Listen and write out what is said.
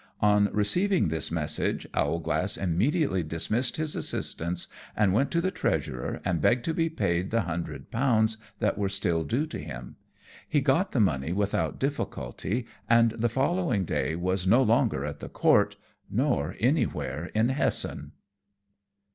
On receiving this message Owlglass immediately dismissed his assistants, and went to the treasurer and begged to be paid the hundred pounds that were still due to him. He got the money without difficulty, and the following day was no longer at the Court, nor anywhere in Hessen.